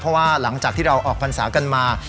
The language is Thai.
เพราะว่าหลังจากที่เราออกพรรษากันมา